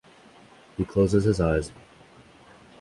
He closes his eyes.